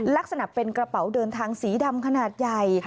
ลักษณะเป็นกระเป๋าเดินทางสีดำขนาดใหญ่